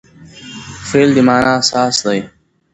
فعل د مانا اساس دئ.